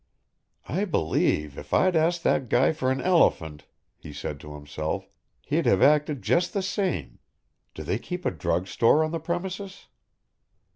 "I believe if I'd asked that guy for an elephant," he said to himself, "he'd have acted just the same do they keep a drug store on the premises?"